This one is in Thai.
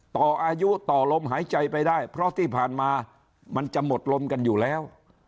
ต่ออายุต่อลมหายใจไปได้เพราะที่ผ่านมามันจะหมดลมกันอยู่แล้ว